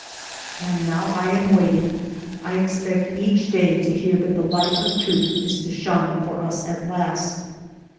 And now I am waiting; I expect each day to hear that the light of truth is to shine for us at last.